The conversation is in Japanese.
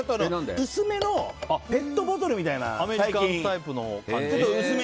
薄めのペットボトルみたいな最近の。